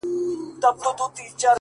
o د پښتنو ماحول دی دلته تهمتوته ډېر دي ـ